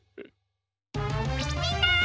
みんな！